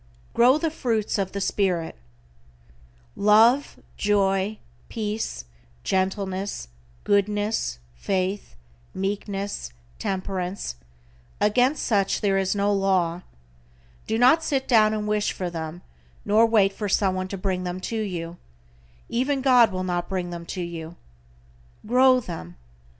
=GROW THE FRUITS OF THE SPIRIT:= Love, Joy, Peace, Gentleness, Goodness, Faith, Meekness, Temperance, against such there is no law. Do not sit down and wish for them, nor wait for someone to bring them to you, even God will not bring them to you. Grow them.